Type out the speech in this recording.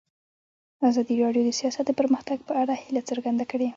ازادي راډیو د سیاست د پرمختګ په اړه هیله څرګنده کړې.